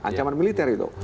ancaman militer itu